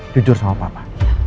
jujur sama papa